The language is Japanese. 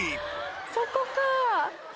そこか。